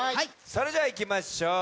それじゃいきましょう。